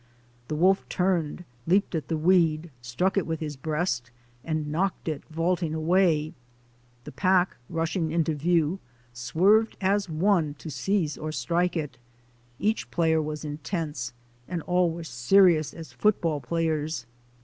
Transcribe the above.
The wolf turned, leaped at the weed, struck it with his breast, and knocked it vaulting away. The pack, rushing into view, swerved as one to seize PLAY AND PRANKS OF WILD FOLK 205 or strike it. Each player was intense, and all were as serious as football players.